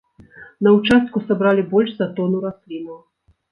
На участку сабралі больш за тону раслінаў.